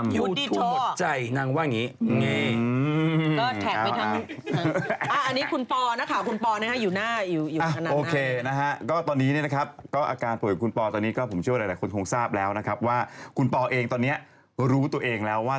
หรือวันนี้หรือทีเด้ยรักอยู่ทุกหมดใจนางว่าอย่างนี้ง่าย